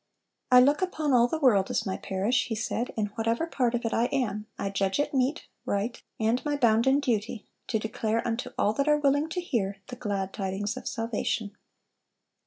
"I look upon all the world as my parish," he said; "in whatever part of it I am, I judge it meet, right, and my bounden duty, to declare unto all that are willing to hear, the glad tidings of salvation."